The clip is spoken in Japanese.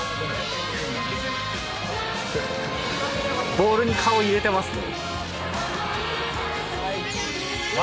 ・ボウルに顔入れてますね。